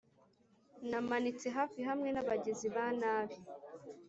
namanitse hafi hamwe n'abagizi ba nabi